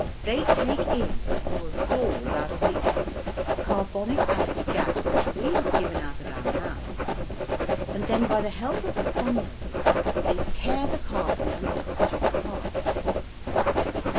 They take in or absorb out of the air carbonic acid gas which we have given out of our mouths and then by the help of the sun waves they tear the carbon and oxygen apart.